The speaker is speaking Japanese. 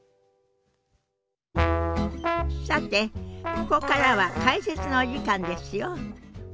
さてここからは解説のお時間ですよ。